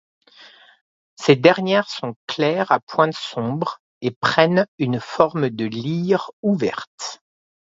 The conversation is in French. Ces dernières sont claires à pointes sombre et prennent une forme de lyre ouverte.